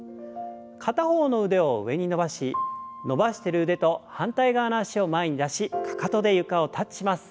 片方の腕を上に伸ばし伸ばしてる腕と反対側の脚を前に出しかかとで床をタッチします。